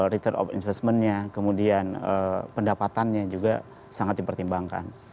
return of investmentnya kemudian pendapatannya juga sangat dipertimbangkan